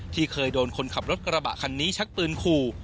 เคยโดนคนขับรถกระบะคันนี้ชักปืนขู่